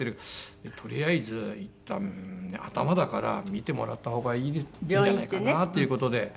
とりあえずいったんね頭だから診てもらった方がいいんじゃないかなっていう事で。